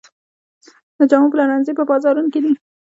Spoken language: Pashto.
د جامو پلورنځي په بازارونو کې دي